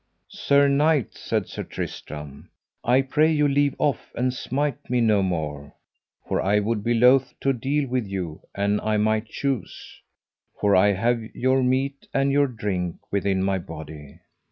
Sir knight, said Sir Tristram, I pray you leave off and smite me no more, for I would be loath to deal with you an I might choose, for I have your meat and your drink within my body.